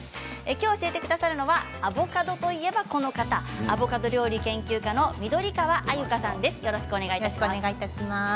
今日、教えてくださるのはアボカドといえばこの方アボカド料理研究家の緑川鮎香さんです。